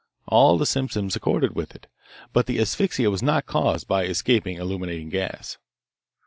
All the symptoms accorded with it. But the asphyxia was not caused by escaping illuminating gas.